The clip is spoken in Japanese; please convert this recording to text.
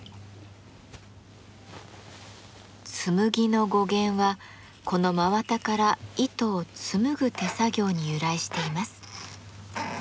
「紬」の語源はこの真綿から糸を紡ぐ手作業に由来しています。